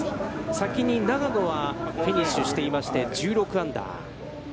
先に永野はフィニッシュしていまして、１６アンダー。